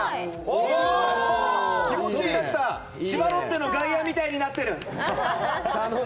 千葉ロッテの外野みたいになってる！